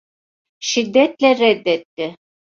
Şiddetle reddetti.